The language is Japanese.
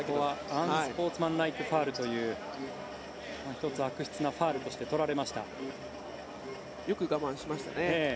アンスポーツマンライクファウルという１つ悪質なファウルとしてよく我慢しましたね。